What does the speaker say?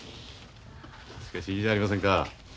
しかしいいじゃありませんか。